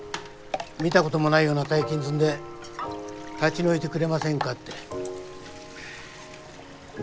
見たこともないような大金積んで立ち退いてくれませんかって。